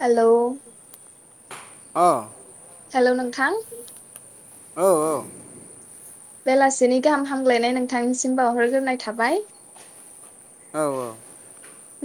Hello अ hello नोंथां औ औ बेलासिनि गाहाम हामग्लायनाय नोंथांनिसिम बावहरग्रोनाय थाबाय औ औ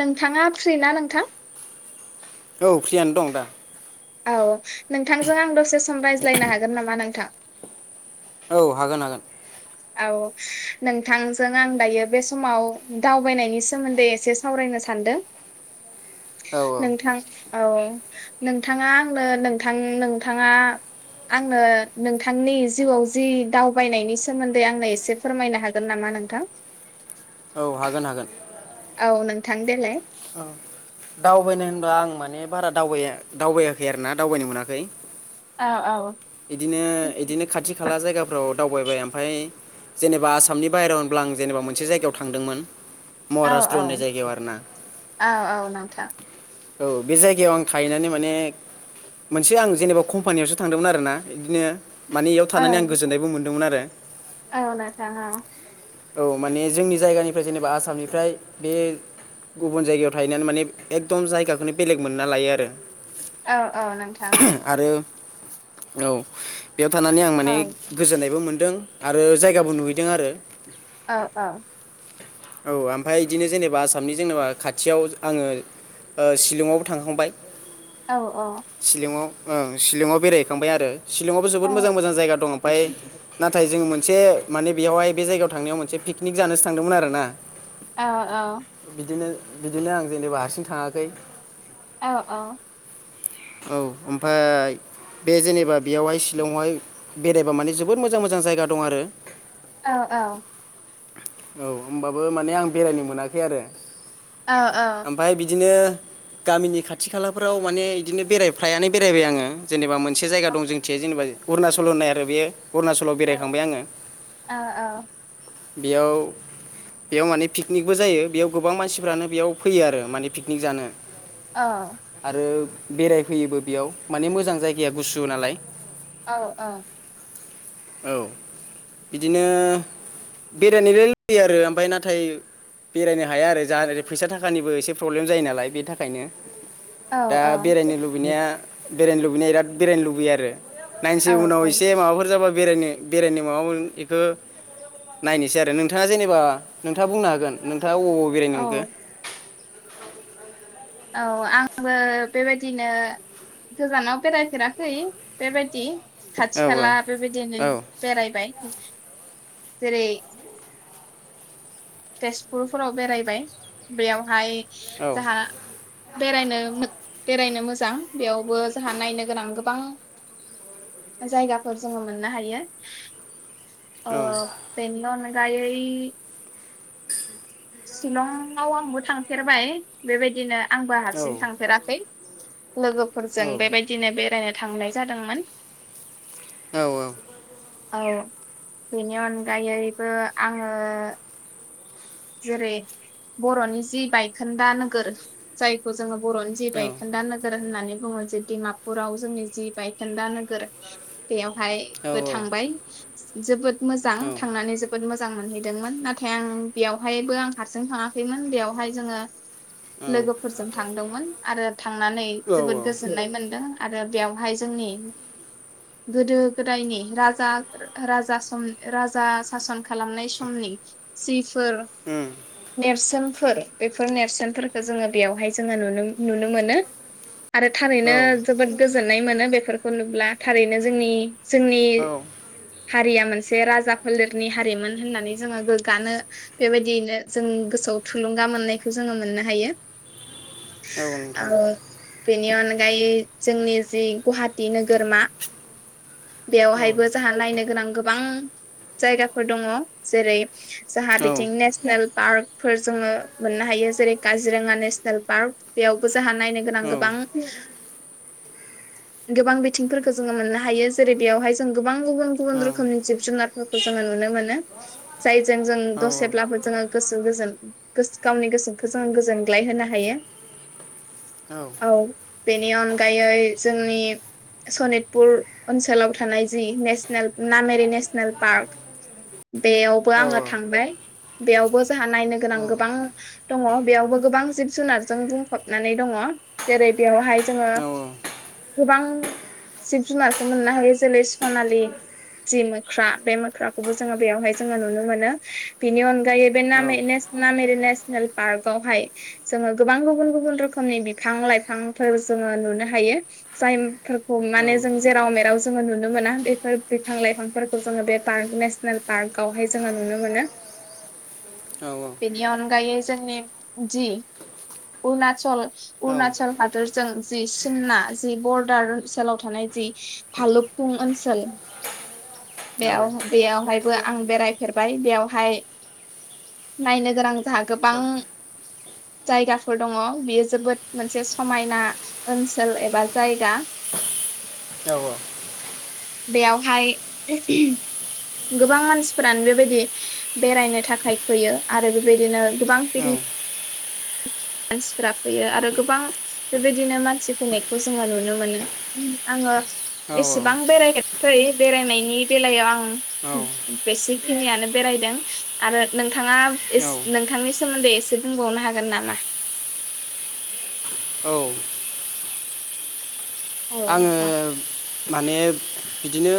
नोंथांङा फ्रि ना नोंथां? औ फ्रियानो दं दा औ नोंथांजों आं दसे सम रायज्लायनो हागोन नामा नोंथां? औ हागोन हागोन औ नोंथांजों आं दायो बे समाव दावबायनायनि सोमोन्दै एसे सावरायनो सानदों औ नोंथां औ औ नोंथांङा आंनो नोंथां नोंथांङा आंनो नोंथांनि जिउआव जि दावबायनायनि स सोमोन्दै आंनो एसे फोरमायनो हागोन नामा नोंथां? औ हागोन हागोन औ नोंथां देेलाय ओ दावबायनाय होनब्ला आं माने बारा दावबाया दावबायाखै आरोना दावबायनो मोनाखै औ औ इदिनो इदिनो खाथि खाला जायगाफोराव दावबायबाय ओमफाय जेनेबा आसामनि बाहेराव होनब्ला आं जेनेबा मोनसे जायगायाव थांदोंमोन औ महाराष्त्र औ होननाय जायगायाव आरो ना औ औ नोंथां औ बे जायगायाव आं थाहैनानै माने मोनसे आं जेनेबा कम्पानियावसो थांदोंमोन आरोना इदिनो माने इयाव औ थानानै आं गोजोननायबो मोनदोंमोन आरो औ नोंथां औ औ माने जोंनि जायगानिफ्राय जेनेबा आसामनिफ्राय बे गुबुन जायगायाव थाहैनानै माने एकदम जायगाखौनो बेलेग मोनना लायो आरो औ औ नोंथां औ आरो औ बेयाव थानानै आं औ माने गोजोननायबो मोनदों आरो जायगाबो नुहैदों आरो औ औ औ ओमफाय इदिनो जेनेबा आसामनि जेनेबा खाथियाव आंङो ओ शिलंङावबो थांखांबाय औ औ शिलंआव ओं शिलंङाव बेरायहैखांबाय आरो शिलंङावबो औ जोबोद मोजां मोजां जायग दं ओमफाय नाथाय जोंङो मोन से माने बेयावहाय बे जायगायाव थांनायाव मोनसे पिकनिक जानोसो थांदोंमोन आरो ना औ औ बिदिनो आं जेनेबा हारसिं थाङाखै औ औ औ ओमफ्राय बे जेनेबा बेयावहाय शिलंआवहाय बेरायबा माने जोबोद मोजां मोजां जायगा दं आरो औ औ औ ओमबाबो माने आं बेरायनो मोनाखै आरो ओमफाय बिदिनो गामिनि खाथि खालाफोराव माने बिदिनो बेराय फ्रायानो बेरायबाय आङो जेनेबा मोन से जायगा दं जोंथि जेनेबा अरुणाचल होननाय आरो बेयो अरुणाचलाव बेरायखांबाय आङो बेयाव बेयाव माने पिकनिकबो जायो बेयाव गोबां मानसिफ्रानो बेयाव फैयो आरो माने पिकनिक जानो आरो बेरायफैयोबो बेयाव माने मोजां जायगाया गुसु नालाय औ औ औ बिदिनो बेरायनोलाय फैयो आरो ओमफाय नाथाय बेरायनो हाया आरो जा आरो फैसा थाखानिबो एसे प्रब्लेम जायो नालाय बेनि थाखायनो दा बेरायनो लुबैनाया बेरायनो लुबैनाय बिराद बेरायनो लुबैयो आरो नाइनोसै औ उनाव एसे माबाफोर जाबा बेरायनो बेरायनो माबामोन इखो नायनोसै आरो नोंथाङा जेनेबा नोंथाङा बुंनो हागोन नोंथ था अबाव अबाव बेरायनो औ मोनखो [inaudible] औ आंबो बेबायदिनो गोजानाव बेरायफेराखै बेबायदि खाथि औ औ खाला बेबायदिनो बेरायबाय जेरै तेजपुरफोराव बेरायबाय बेयावहाय जाहा औ बेरायनो मोट बेरायनो मोजां बेयावबो जोंहा नायनो गोनां गोबां जायगाफोर जोङो मोननो हायो ओ औ पेनिअन गायै शिलंआव आंबो थांफेरबाय बेबायदिनो आंबो हारसिं थांफेराखै लोगोफोरजों बेबायदिनो बेराय थांनाय जादोंमोन औ औ औ बेनि अनगायैबो आङो जेरै- बर'नि जि बायखोन्दा नोगोर जायखौ जोङो बर'नो जि बायखोन्दा नोगोर होननानै बुङो जे डिमापुराव जोंनि जि बायखेन्दा नोगोर बेयाव फाय बो थांबाय जोबोद मोजां थांनानै जोबोद मो जां मोनहैदोंमोन नाथाय आं बेयावहायबो आं हारसिं थाङाखैमोन बेवहाय जोङो लोगोफोरजों थांदोंमोन आरो थांनानै जोबोद गोजोननाय मोनदों। आरो बेवहाय जोंनि गोदो गोदायनि राजा राजा सम राजा सासन खालामनाय समनि सिफ फोर नेरसोन फोर बेफोर नेरसोनफोरखौ जोङो बेयावहाय जोङो नुनो-नुनो मोनो। आरो थारैनो जोबोद गोजोन नाय मोनो बेफोरखौ नुब्ला थारैनो जोंनि जोंनि औ औ हारिया मोन से राजा फोलेरनि हारिमोन होननानै जोङो गोग्गानो बेबायदियैनो जों गोसोआव थुलुंगा मोननायखौ जोङो मोननो हायो। औ अ नोंथां बेनि अनगायै जोंनि जि गुवाहाटी नोगोरमा औ बेवहायबो जाहा नायनो गोनां गोबां जायगाफोर दङ जेरै जाहा बे नेसनेल पार्कफोर जोङो मोननो हायो जेरै- काजिरङा नेसनेल पार्क बेयावबो हा नायनो गोनां गोबां गोबां बिथिंफोरखौ जोङो मोननो हायो जेरै- बेवहाय जों गो बां गुबुन-गुबुन रोखोमनि जिब जुनात फोरखौ जोङो नुनो मोनो जायजों जों दसेब्लाबो जोङो गोसो गोजोन गोस गावनि गोसोखौ जोङो गोजोनग्लाय होनो हायो औ बेनि अनगायै जोंनि सनितपुर ओनसोलाव थानाय जि नेसनेल नामेरि नेसनेल पार्क बेयावबो आङो थांबाय। बेयावबो जोंहा नायनो गोनां गोबां दङ बेयावबो गोबां जिब जुनारजों बुंफबनानै दङ जेरै- बेयावहाय जोङो गोबां जिब जुनारखौ मोननो हायो जेरै- सनालि जि मोख्रा बे मोख्राखौबो जोङो बेयावहाय जोङो नुनो मोनो। बिनि अन गायैबो नामेरि नेस- नामेरि नेस नेसनेल पार्कआवहाय जोङो गोबां गुबुन गुबुन रोखोमनि बिफां लाइफांफोर जोङो नुनो हायो जाय फोरखौ माने जों जेराव मेराव जोङो नुनो मोना बेफोर बिफां लाइफांफोरखौ जोङो बे पार्क नेसनेल पार्कवहाय जोङो नुनो मोनो। औ बेनि अनगायै जोंनि जि अरुणाचल अरुणाचल हादर जों जि सिमना जि बरदार ओनसोलाव थानाय जि फालुफुं ओनसोल बेयाव बेयावहायबो आं बेरायफेरबाय बेयावहाय नोयनो गोनां जोंहा गोबां जायगाफोर दङ बेयो जोबोद मोनसे समायना ओनसोल एबा जायगा। औ औ। बेयावहाय गोबां मानसिफोरानो बेबायदि बेरायनो थाखाय फैयो आरो बेबायदिनो गोबां पिकनिक मानसिफ्रा फैयो आरो गोबां बेबायदिनो मानसि फैनायखौ जोङो नुनो मोनो आङो एसेबां बेरायाखै बेरायनायनि बेलायाव आं बेसेखिनियानो बेरायदों आरो नोंथाङा औ एसे नोंथांनि सोमोन्दै एसे बुंबावनो हागोन नामा? औ। औ आङो नोंथां माने बिदिनो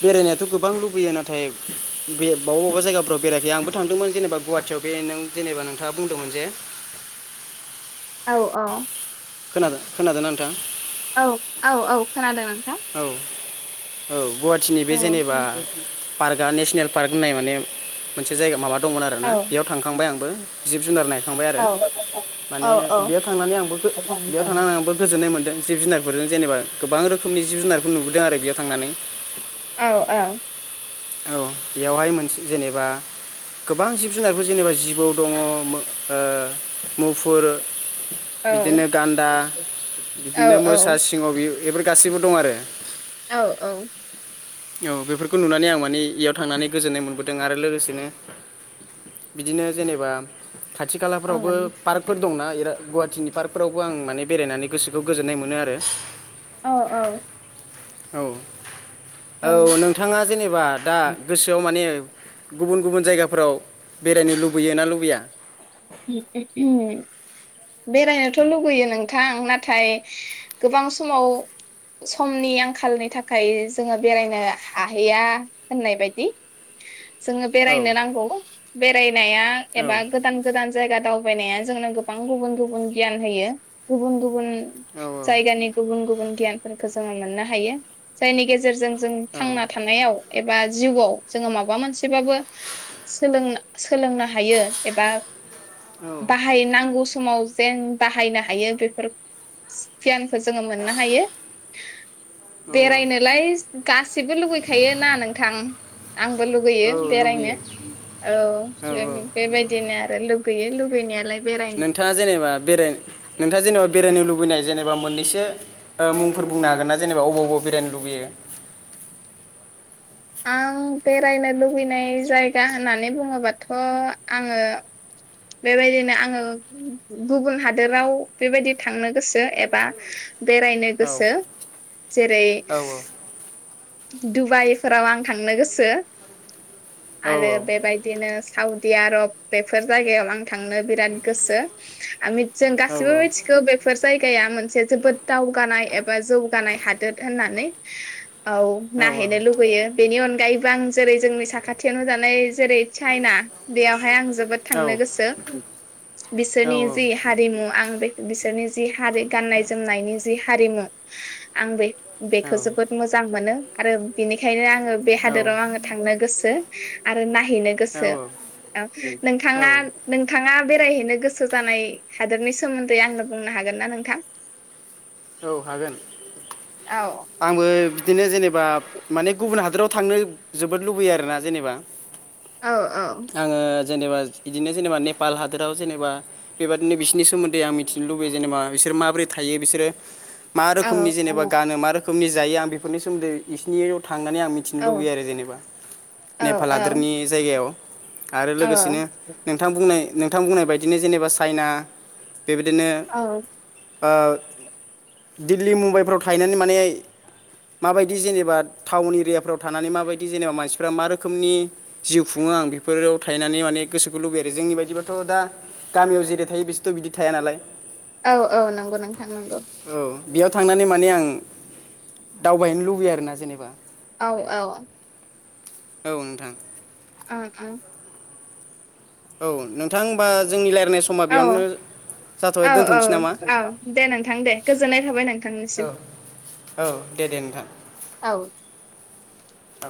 बेरायनोथ' गोबां लुबैयो नाथाय बे बबा बबावबा जायगाफ्राव बेरायखायो आंबो थांदोंमोन जेनेबा गुवाहाटियाव बे नों जेनेबा नोंथाङा बुंदोंमोन जे औ औ। खोनादों खोनादों नोंथां? औ औ औ खोनादों। नोंथां औ। औ। गुवाहाटिनि औ बे जेनेबा पार्क दा नेसनेल पार्क होननाय माने मोनसे जायगा माबा दंमोन आरोना औ बेयाव थांखांबाय आंबो। जिब जुनार नाय थांबाय आरो औ औ माने बेयाव थांनानै आंबो औ बेयाव औ थांनानै आंबो गोजोननाय मोनदों। जिब जुनारफोरजों जेनेबा गोबां रोखोम बेनि जिब जुनारखौ नुबोदों आरो बेयाव थांनानै। औ औ। औ बेयावहाय मोनसे जेनेबा गोबां जिब जुनारफोर जेनेबा जिबौ दङ ओं मुफुर बिदिनो गान्दा, बिदिनो मोसा, सिंह बि बेफोर गासिबो दं आरो। औ औ। औ बेफोरखौ नुनानै आं माने इयाव थांनानै गोजोननाय मोनबोदों आरो लोगोसेनो बिदिनो जेनेबा खाथि खालाफोरावबो पार्कफोर दंना बिराद गुवाहाटिनि पार्कफोरावबो आं माने बेरायनानै गोसोखौ गोजोननाय मोनो आरो। औ औ। औ। औ नोंथाङा जेनेबा दा गोसोआव माने गुबुन गुबुन जायगाफोराव बेरायनो लुबैयो ना लुबैया? बेरायनोथ' लुगैयो नोंथां, नाथाय गोबां समाव समनि आंखालनि थाखाय जोङो बेरायनो हाहैया होननाय बादि। जोङो बेरायनो औ नांगौ, बेरायनाया औ एबा गोदान जायगा दावबायनाया जोंनो गोबां गुबुन गुबुन गियान होयो, गुबुन गुबुन औ जायगानि गुबुन गुबुन गियानफोरखो जोङो मोननो हायो। जायनि गेजेरजों जों थांना थानायाव एबा जिवाव जोङो माबा मोनसेबाबो सोलों-सोलोंनो हायो एबा बाहायनांगौ स समाव जेन बाहायनो हायो, बेफोर गियान खो जोङो मोननो हायो। औ बेरायनोलाय गासैबो लुगैखायोना नोंथां। आंबो लुगैयो औ बेरायनो लुबैयो औ औ औ बेबायदिनो आ लुगैयो लुगैनायालाय नोंथाङा जेनेबा बेराय नोंथाङा जेनेबा बेरायनो लुबैनाय जेनेबा मोननैसो ओ मुंफोर बुंनो हागोन ना, जेनेबा अबाव अबाव बेरायनो लुबैयो। आं बेरायनो लुबैनाय जायगा होननानै बुङोबाथ' आङो बेबायदिनो आङो गुबुन हादोराव बेबायदि थांनो गोसो एबा बेरायनो औ गोसो। जेरै औ दुबाइफोराव आं थांनो गोसो। औ आरो बेबायदिनो साउदि आरब बेफोर जायगायाव आं थांनो बिराद गोसो आं मिथिदों गासिबो औ मिथिगौ बेफोर जायगाया मोनसे जोबोद दावगानाय एबा जौगानाय हादोद होननानै। औ। औ नाहैनो औ लुुगैयो। बेनि अनगायैबो आं जेरै जोंनि साखाथियावनो थानाय जेरै चाइना। बेयावहाय आं जोबोद औ थांनो गोसो। बिसोरनि जि हारिमु आं बे बिसोरनि जि हारि गाननाय जोमनायनि जि हारिमु आं बे-बेखो जोबोद मोजां मोजां मोनो आरो बिनिखायनो आङो बे हादोराव आङो थांनो गोसो आरो नायहैनो औ गोसो। औ। नोंथाङा नोंथाङा बेरायहैनो गोसो जानाय हादोरनि सोमोन्दै आंनो बुंनो हागोन ना नोंथां? औ हागोन। औ आंबो बिदिनो जेनेबा माने गुबुन हादोराव थांनो जोबोद लुबैयो आरोना जेनेबा। औ औ। आङो जेनेबा बिदिनो जेनेबा नेपाल हादोराव जेनेबा बेबादिनो बिसिनि सोमोन्दै आं मिथिनो लुबैयो, जेनेबा बिसोर माबोरै थायो बिसोरो मा औ रोखोमनि औ जेनेबा गानो, मा रोखोमनि जायो आं बेफोरनि सोमोन्दै [unintelligible] थांनानै आं मिथिनो औ लुबैयो आरो जेनेबा। औ नेपाल हादोरनि जायगायाव आरो औ लोगोसेनो नोंथां बुंनाय नों थां बुंनाय बायदिनो जेनेबा सायना। बेबादिनो औ ओ दिल्ली मुम्बाइफ्राव थाहैनानै माने माबायदि जेनेबा टाउन एरियाफ्राव थानानै माबायदि जेनेबा मानसिफ्रा मा रोखोमनि जिउ खुङो आं बेफोराव थाहैनानै माने गोसोखौ लुबैयो आरो जोंनि बायदिबाथ' दा गामियाव जेरै थायो बिसोरथ' बिदि थाया नालाय। औ औ नंगौ नोंथां नंगौ। औ बेयाव थांनानै माने आं दावबायहैनो लुबैयो आरोना जेनेबा। औ औ। औ नोंथां। ओं ओं। औ नोंथां होमबा जोंनि रायलायनाय समा औ बेयावनो औ जाथ'बाय औ दोनथ'नोसै नामा औ दे नोंथां दे गोजोननाय थाबाय नोंथांनिसिम औ औ दे दे नोंथां औ। औ